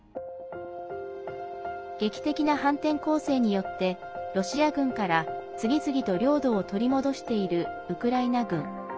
劇的な反転攻勢によってロシア軍から次々と領土を取り戻しているウクライナ軍。